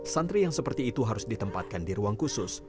santri yang seperti itu harus ditempatkan di ruang khusus